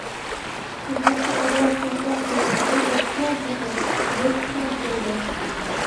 قىزىقچى ئاداش چاقچاق قىلىۋاتىدۇ دەپتىمەن تېخى، راست شۇنداق بولدى!